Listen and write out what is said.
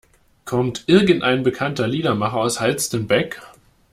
Kommt irgendein bekannter Liedermacher aus Halstenbek?